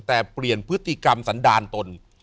แต่เปลี่ยนพฤติกรรมสันดาลตน